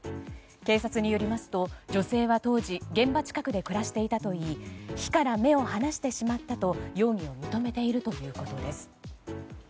警察によりますと女性は当時現場近くで暮らしていたといい火から目を離してしまったと容疑を認めているということです。